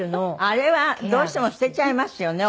あれはどうしても捨てちゃいますよね